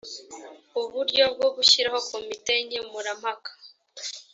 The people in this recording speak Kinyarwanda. uburyo bwo gushyiraho komite nkemurampaka